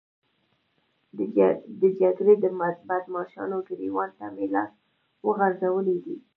د جګړې د بدماشانو ګرېوان ته مې لاس ورغځولی دی.